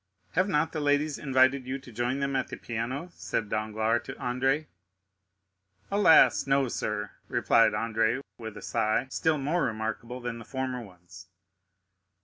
"Have not the ladies invited you to join them at the piano?" said Danglars to Andrea. "Alas, no, sir," replied Andrea with a sigh, still more remarkable than the former ones.